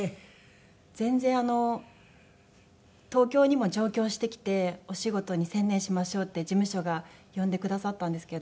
全然あの東京にも上京してきてお仕事に専念しましょうって事務所が呼んでくださったんですけど。